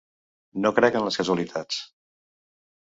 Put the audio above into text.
No crec en les casualitats.